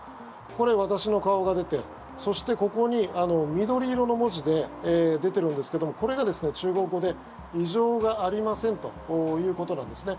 これ、私の顔が出てそして、ここに緑色の文字で出てるんですけどもこれが中国語で異常がありませんということなんですね。